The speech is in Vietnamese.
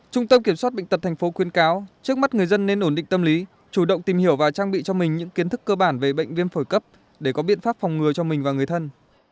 trung tâm kiểm soát bệnh tật tp khuyên cáo trước mắt người dân nên ổn định tâm lý chủ động tìm hiểu và trang bị cho mình những kiến thức cơ bản về bệnh viêm phổi cấp để có biện pháp phòng ngừa cho mình và người thân